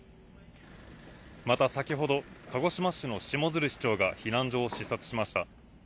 また先ほど、鹿児島市の下鶴市長が避難所を視察しました。